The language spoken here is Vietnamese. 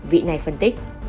vị này phân tích